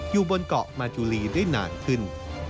อยู่บนเกาะมาจุลีได้นานขึ้น